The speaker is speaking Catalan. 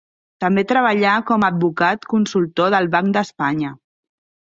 També treballà com a advocat consultor del Banc d'Espanya.